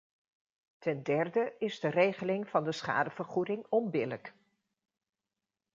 Ten derde is de regeling van de schadevergoeding onbillijk.